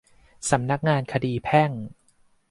สำนักงานคดีแพ่ง